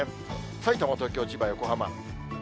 さいたま、東京、千葉、横浜。